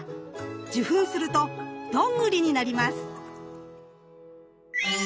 受粉するとドングリになります。